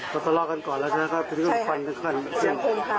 ก็ตลอกกันก่อนแล้วก็พูดว่าควันเกิดขึ้น